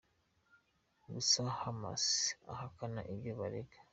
Gusa Hamas ihakana ibyo birego.